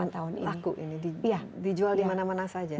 delapan tahun laku ini dijual di mana mana saja